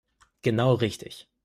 Genau richtig.